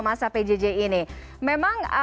masa pjj ini memang